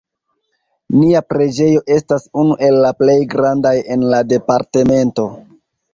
Nia preĝejo estas unu el la plej grandaj en la departamento.